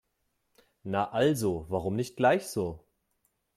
Na also, warum nicht gleich so?